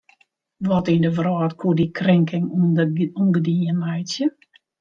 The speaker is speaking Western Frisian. Wat yn de wrâld koe dy krinking ûngedien meitsje?